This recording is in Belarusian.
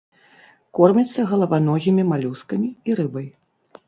Корміцца галаваногімі малюскамі і рыбай.